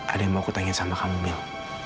ada yang mau aku tanya sama kamu